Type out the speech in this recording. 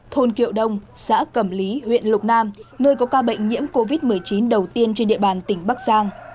thôn kiệu đông xã cẩm lý huyện lục nam nơi có ca bệnh nhiễm covid một mươi chín đầu tiên trên địa bàn tỉnh bắc giang